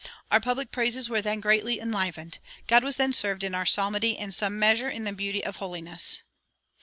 Our public praises were then greatly enlivened; God was then served in our psalmody in some measure in the beauty of holiness."